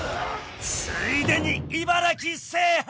［ついでに茨城制覇！］